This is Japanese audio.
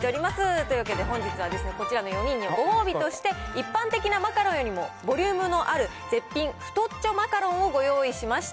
というわけで、本日はこちらの４人にご褒美として、一般的なマカロンよりもボリュームのある絶品、太っちょマカロンをご用意しました。